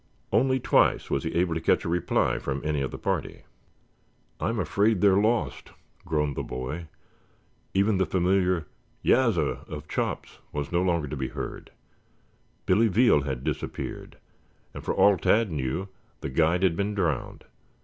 Only twice was he able to catch a reply from any of the party. "I am afraid they're lost," groaned the boy. Even the familiar "yassir" of Chops was no longer to be heard. Billy Veal had disappeared, and for all Tad knew the guide had been drowned.